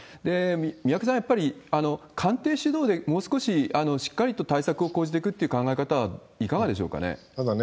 宮家さん、やっぱり官邸主導でもう少ししっかりと対策を講じていくという考ただね、